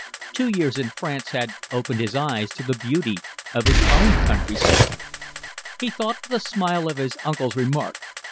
Two years in France had opened his eyes to the beauty of his own countryside. He thought with a smile of his uncle's remark.